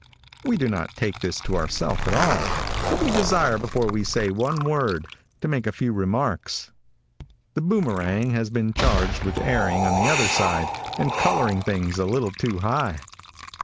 We do not take this to ourself at all, but we desire before we say one word, to make a few remarks. The Boomerang has been charged with erring on the other side and coloring things a little too high.